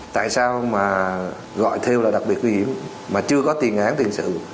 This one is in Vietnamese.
tại sao mà gọi thêu là đặc biệt nguy hiểm mà chưa có tình án tình sự